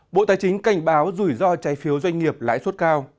bộ tài chính cảnh báo rủi ro trái phiếu doanh nghiệp lãi suất cao